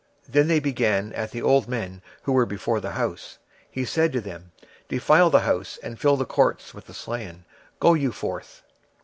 Then they began at the ancient men which were before the house. 26:009:007 And he said unto them, Defile the house, and fill the courts with the slain: go ye forth.